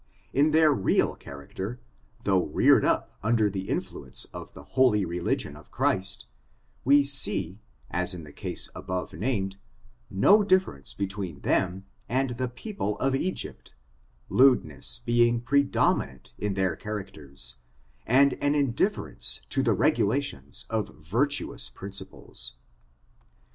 In their real char ; acter, though reared up under the influence of the ' holy religion of Christ, we see, as in the case above named, no difSsrence between them and the people of Egypt— lewdness being predominant in their char acters, and an indifference to the regulations of vir tuous principles.